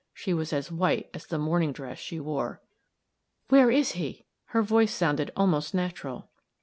She was as white as the morning dress she wore. "Where is he?" Her voice sounded almost natural.